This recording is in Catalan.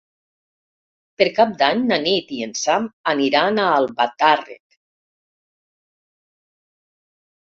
Per Cap d'Any na Nit i en Sam aniran a Albatàrrec.